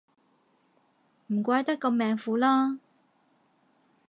唔怪得咁命苦啦